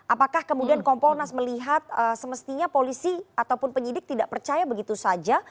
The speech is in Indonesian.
apakah kemudian kompolnas melihat semestinya polisi ataupun penyidik tidak percaya begitu saja